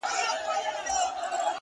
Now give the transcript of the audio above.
o کال ته به مرمه،